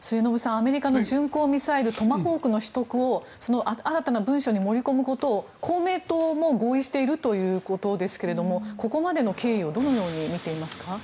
アメリカの巡航ミサイルトマホークの取得を新たな文書に盛り込むことを、公明党も合意しているということですがここまでの経緯をどのように見ていますか。